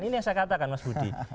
ini yang saya katakan mas budi